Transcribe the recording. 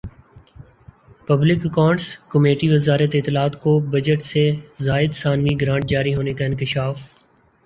public accounts کمیٹیوزارت اطلاعات کو بجٹ سے زائد ثانوی گرانٹ جاری ہونے کا انکشاف